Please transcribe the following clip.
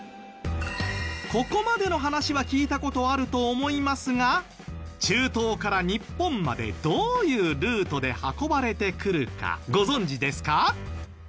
ここまでの話は聞いた事あると思いますが中東から日本までどういうルートで運ばれてくるかご存じですか？